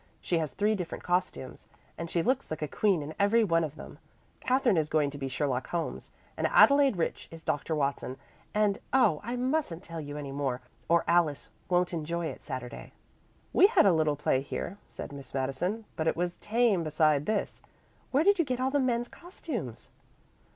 She has three different costumes, and she looks like a queen in every one of them. Katherine is going to be Sherlock Holmes, and Adelaide Rich is Dr. Watson and oh, I mustn't tell you any more, or Alice won't enjoy it Saturday." "We had a little play here," said Miss Madison, "but it was tame beside this. Where did you get all the men's costumes?"